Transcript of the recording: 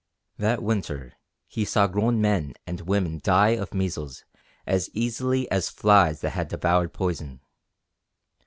That winter he saw grown men and women die of measles as easily as flies that had devoured poison.